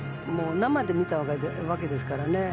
生で見たわけですからね。